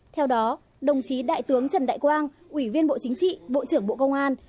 theo đó đồng chí đại tướng trần đại quang ủy viên bộ chính trị bộ trưởng bộ công an